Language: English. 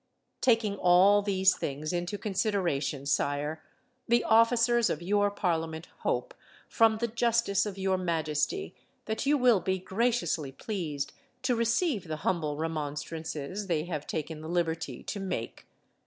"Taking all these things into consideration, sire, the officers of your parliament hope, from the justice of your majesty, that you will be graciously pleased to receive the humble remonstrances they have taken the liberty to make.